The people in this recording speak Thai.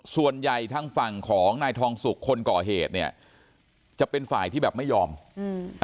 ส่วนใหญ่ทางฝั่งของนายทองสุกคนก่อเหตุเนี้ยจะเป็นฝ่ายที่แบบไม่ยอมอืม